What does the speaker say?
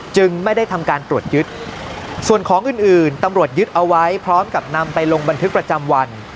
จึงไม่ได้ทำการตรวจยึดส่วนของอื่นอื่นตำรวจยึดเอาไว้พร้อมกับนำไปลงบันทึกประจำวัน